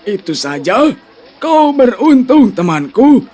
itu saja kau beruntung temanku